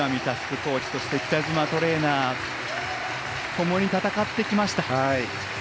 コーチと北島トレーナーともに戦ってきました。